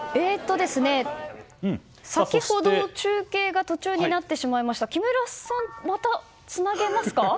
先ほど中継が途中になってしまいました木村さん、またつなげますか？